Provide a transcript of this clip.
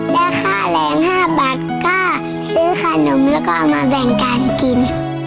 ได้ค่าแรง๕บาทก็ซื้อขนมแล้วก็มาแบ่งการกิน